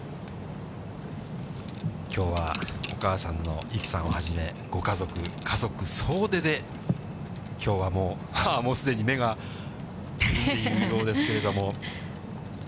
きょうはお母さんの有貴さんをはじめ、ご家族、家族総出で、きょうはもう、ああ、もうすでに目がうるんでいるようですけれども。